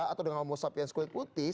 atau dengan homo sapiens kulit putih